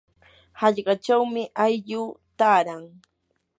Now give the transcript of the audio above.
qallqachawmi aylluu taaran.